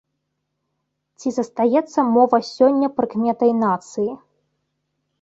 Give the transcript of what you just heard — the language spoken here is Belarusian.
Ці застаецца мова сёння прыкметай нацыі?